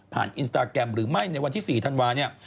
อินสตาแกรมหรือไม่ในวันที่๔ธันวาเนี่ย